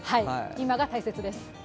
今が大切です。